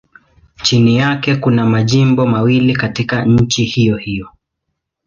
Chini yake kuna majimbo mawili katika nchi hiyohiyo.